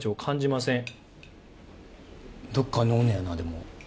どっかにおんのやなでも。